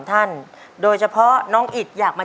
หล่อใช้ได้